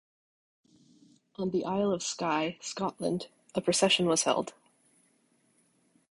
On the Isle of Skye, Scotland, a procession was held.